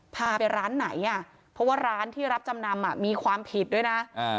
พาไปร้านไหนอ่ะเพราะว่าร้านที่รับจำนำมีความผิดด้วยนะ